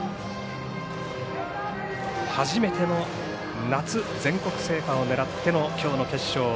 初めての夏、全国制覇を狙ってのきょうの決勝。